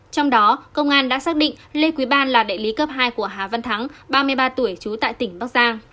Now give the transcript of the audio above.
trong đó công an đã xác định lê quý ban là đại lý cấp hai của hà văn thắng ba mươi ba tuổi trú tại tỉnh bắc giang